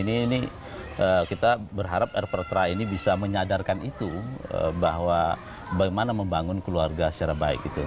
ini kita berharap rptra ini bisa menyadarkan itu bahwa bagaimana membangun keluarga secara baik gitu